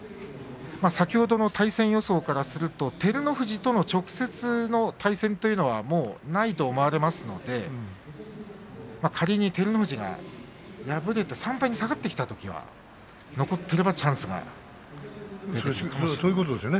先ほどの対戦予想からしますと照ノ富士との直接の対戦はないと思われますので仮に照ノ富士が敗れて３敗に下がってきたときはそういうことですよね